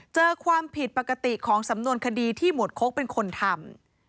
เจอความผิดปกติของสำนวนคดีที่หมวดโค้กเป็นคนทำ